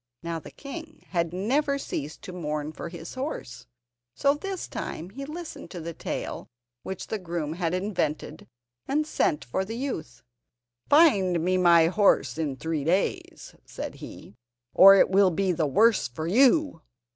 Now the king had never ceased to mourn for his horse, so this time he listened to the tale which the groom had invented, and sent for the youth. "Find me my horse in three days," said he, "or it will be the worse for you."